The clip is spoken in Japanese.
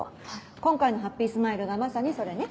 今回のハッピースマイルがまさにそれね。